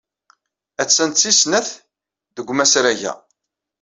Attan d tis snat deg umasrag-a.